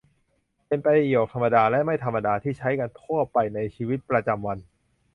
เป็นประโยคธรรมดาและไม่ธรรมดา ที่ใช้กันทั่วไปในชีวิตประจำวัน